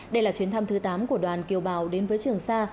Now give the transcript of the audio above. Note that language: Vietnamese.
đây là chuyến thăm thứ tám của đoàn kiều bào đến với trường sa